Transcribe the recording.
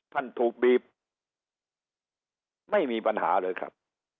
ท่านถูกบีบไม่มีปัญหาเลยครับ